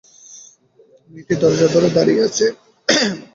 মেয়েটি দরজা ধরে দাঁড়িয়ে আছে।